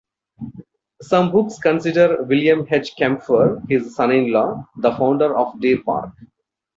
Some books consider William H. Kempfer, his son-in-law, the founder of Deer Park.